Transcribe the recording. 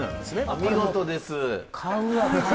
お見事です！